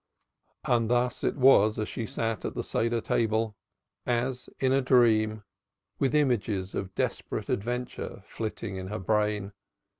And thus it was that she sat at the Seder table, as in a dream, with images of desperate adventure flitting in her brain.